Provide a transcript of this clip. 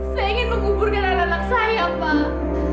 saya ingin menguburkan anak anak saya pak